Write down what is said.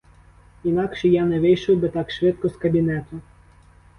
Інакше я не вийшов би так швидко з кабінету.